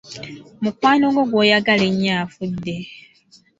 Mukwano gwo gw'oyagala ennyo afudde !